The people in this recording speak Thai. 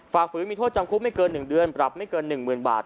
ฝืนมีโทษจำคุกไม่เกิน๑เดือนปรับไม่เกิน๑๐๐๐บาท